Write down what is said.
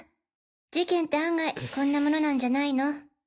事件って案外こんなものなんじゃないの？